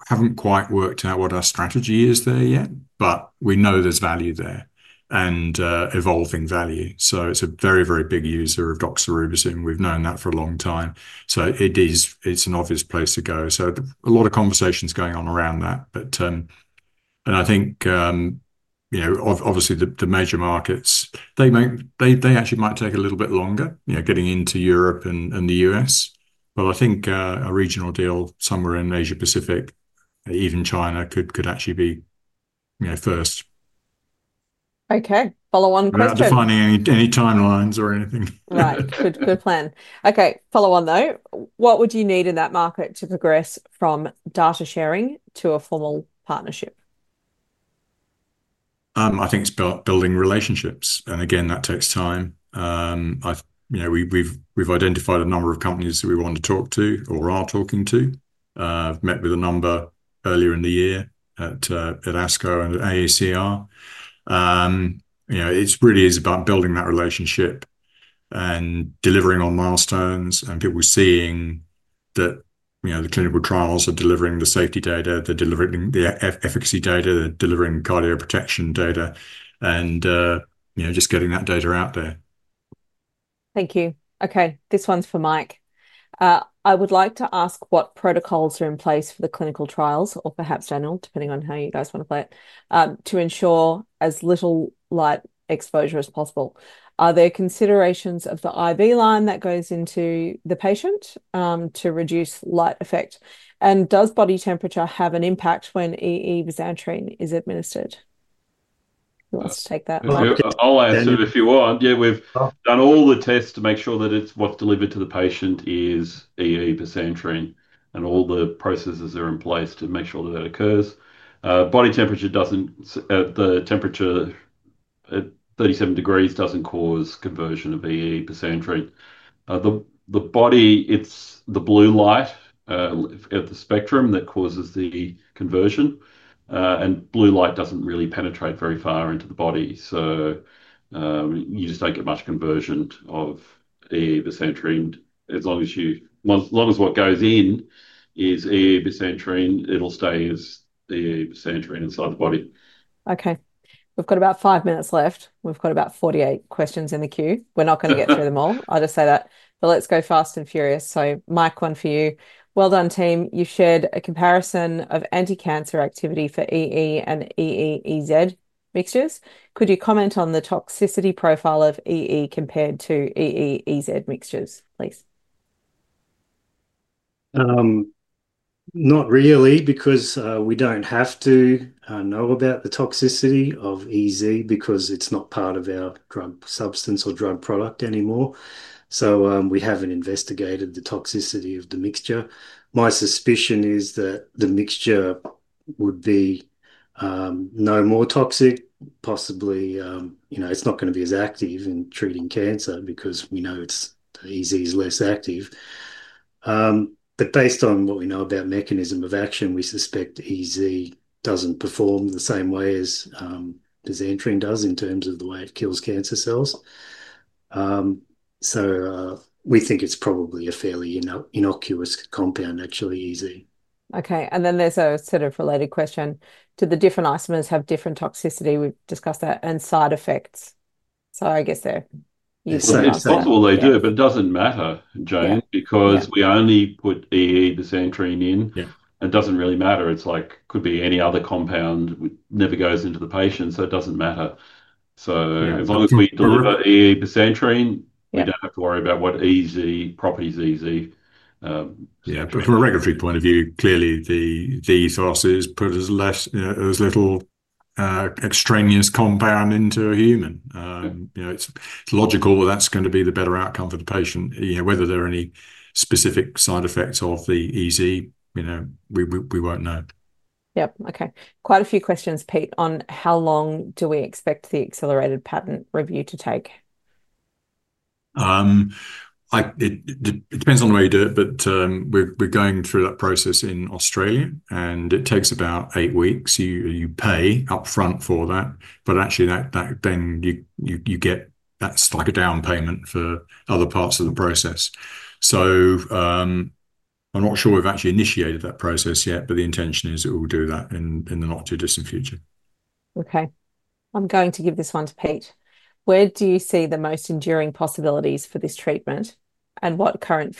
haven't quite worked out what our strategy is there yet, but we know there's value there and evolving value. It's a very, very big user of doxorubicin. We've known that for a long time. It's an obvious place to go. A lot of conversations going on around that. I think, you know, obviously, the major markets, they actually might take a little bit longer, you know, getting into Europe and the U.S. I think a regional deal somewhere in Asia-Pacific, even China, could actually be first. OK, follow-on question. We're not defining any timelines or anything. Right. Good plan. OK, follow-on though. What would you need in that market to progress from data sharing to a formal partnership? I think it's building relationships. That takes time. We've identified a number of companies that we want to talk to or are talking to. I've met with a number earlier in the year at ASCO and at AACR. It really is about building that relationship and delivering on milestones. People seeing that the clinical trials are delivering the safety data, they're delivering the efficacy data, they're delivering cardio protection data, and just getting that data out there. Thank you. OK, this one's for Mike. I would like to ask what protocols are in place for the clinical trials, or perhaps general, depending on how you guys want to put it, to ensure as little light exposure as possible. Are there considerations of the IV line that goes into the patient to reduce light effect? Does body temperature have an impact when EE bisantrene is administered? Let's take that one. Oh, I assume if you want. Yeah, we've done all the tests to make sure that what's delivered to the patient is EE bisantrene, and all the processes are in place to make sure that that occurs. Body temperature at 37 degrees doesn't cause conversion of EE bisantrene. The body, it's the blue light at the spectrum that causes the conversion. Blue light doesn't really penetrate very far into the body, so you just don't get much conversion of EE bisantrene. As long as what goes in is EE bisantrene, it'll stay as EE bisantrene inside the body. OK. We've got about five minutes left. We've got about 48 questions in the queue. We're not going to get through them all. I'll just say that. Let's go fast and furious. Mike, one for you. Well done, team. You shared a comparison of anticancer activity for EE and EE/EZ mixtures. Could you comment on the toxicity profile of EE compared to EE/EZ mixtures, please? Not really, because we don't have to know about the toxicity of EZ because it's not part of our substance or drug product anymore. We haven't investigated the toxicity of the mixture. My suspicion is that the mixture would be no more toxic. Possibly, you know, it's not going to be as active in treating cancer because we know EZ is less active. Based on what we know about mechanism of action, we suspect EZ doesn't perform the same way as bisantrene does in terms of the way it kills cancer cells. We think it's probably a fairly innocuous compound, actually, EZ. OK. There's a sort of related question. Do the different isomers have different toxicity? We've discussed that. And side effects? I guess there. It's not all they do. It doesn't matter, Jane, because we only put EE bisantrene in. It doesn't really matter. It could be any other compound that never goes into the patient. It doesn't matter. As long as we deliver EE bisantrene, we don't have to worry about what EE is, properties, EE. Yeah. From a regulatory point of view, clearly, the ESRS is less, you know, as little extraneous compound into a human. You know, it's logical that's going to be the better outcome for the patient. You know, whether there are any specific side effects of the EE, you know, we won't know. OK. Quite a few questions, Pete, on how long do we expect the accelerated patent review to take? It depends on the way you do it. We're going through that process in Australia, and it takes about eight weeks. You pay up front for that, but actually, then you get that's like a down payment for other parts of the process. I'm not sure we've actually initiated that process yet, but the intention is that we'll do that in the not-too-distant future. OK. I'm going to give this one to Pete. Where do you see the most enduring possibilities for this treatment? What current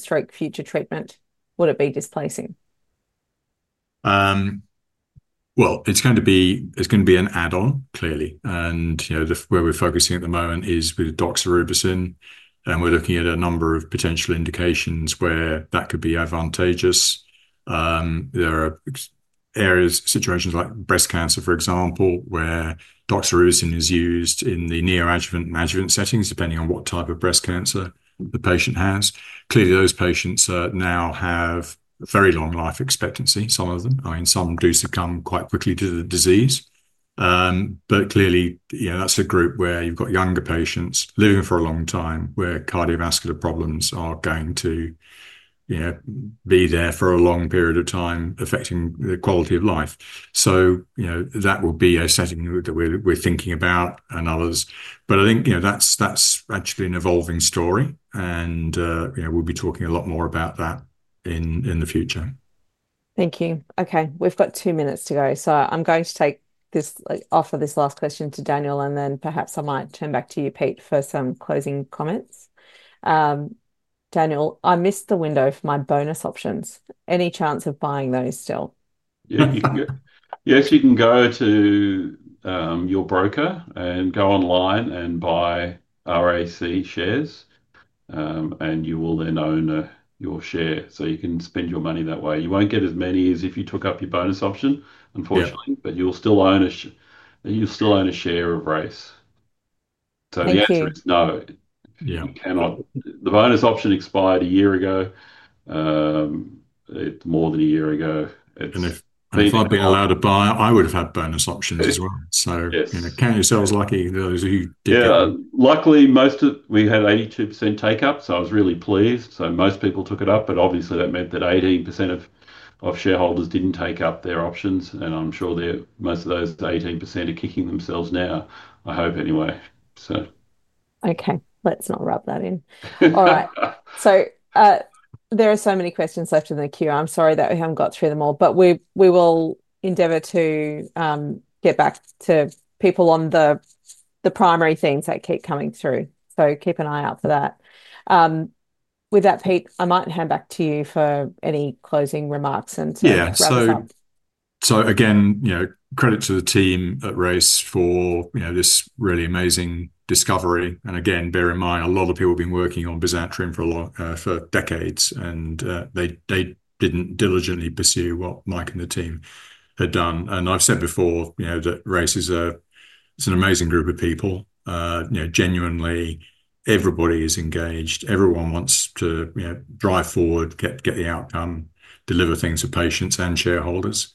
stroke future treatment would it be displacing? It's going to be an add-on, clearly. You know, where we're focusing at the moment is with doxorubicin, and we're looking at a number of potential indications where that could be advantageous. There are areas, situations like breast cancer, for example, where doxorubicin is used in the neoadjuvant and adjuvant settings, depending on what type of breast cancer the patient has. Clearly, those patients now have a very long life expectancy. Some of them, I mean, some do succumb quite quickly to the disease. Clearly, that's a group where you've got younger patients living for a long time, where cardiovascular problems are going to be there for a long period of time, affecting the quality of life. That will be a setting that we're thinking about and others. I think that's actually an evolving story, and we'll be talking a lot more about that in the future. Thank you. OK, we've got two minutes to go. I'm going to take this offer, this last question to Daniel. Perhaps I might turn back to you, Pete, for some closing comments. Daniel, I missed the window for my bonus options. Any chance of buying those still? Yes, you can go to your broker and go online and buy Race Oncology shares. You will then own your share. You can spend your money that way. You won't get as many as if you took up your bonus option, unfortunately, but you'll still own a share of Race Oncology. The answer is no. Thank you. The bonus option expired a year ago. It's more than a year ago. If I was not being allowed to buy, I would have had bonus options as well. You know, count yourselves lucky those who did that. Yeah, luckily, we had 82% take-up. I was really pleased. Most people took it up. Obviously, that meant that 18% of shareholders didn't take up their options. I'm sure most of those 18% are kicking themselves now, I hope anyway. OK, let's not rub that in. All right. There are so many questions left in the queue. I'm sorry that we haven't got through them all. We will endeavor to get back to people on the primary things that keep coming through. Keep an eye out for that. With that, Pete, I might hand back to you for any closing remarks. Yeah, so again, credit to the team at Race Oncology for this really amazing discovery. Again, bear in mind, a lot of people have been working on bisantrene for decades. They didn't diligently pursue what Mike and the team had done. I've said before that Race Oncology is an amazing group of people. Genuinely, everybody is engaged. Everyone wants to drive forward, get the outcome, deliver things to patients and shareholders.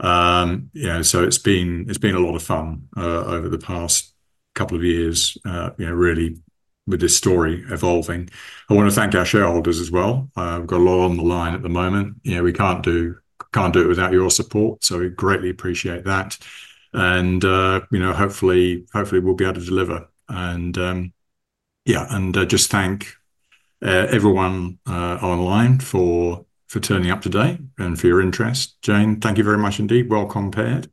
It's been a lot of fun over the past couple of years with this story evolving. I want to thank our shareholders as well. We've got a lot on the line at the moment. We can't do it without your support, so we greatly appreciate that. Hopefully, we'll be able to deliver. Thank everyone online for turning up today and for your interest. Jane, thank you very much indeed. Well compared.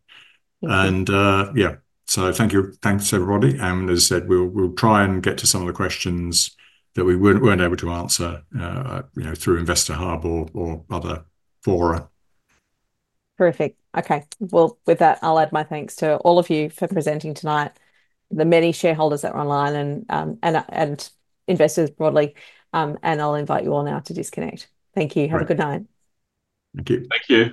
Thank you. Thanks, everybody. As I said, we'll try and get to some of the questions that we weren't able to answer through Investor Hub or other fora. Perfect. OK, with that, I'll add my thanks to all of you for presenting tonight, the many shareholders that are online and investors broadly. I'll invite you all now to disconnect. Thank you. Have a good night. Thank you. Thank you.